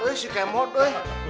hebat si kemot woi